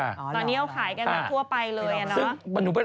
ตอนนี้เอาขายกันทั่วไปเลยอ่ะเนอะ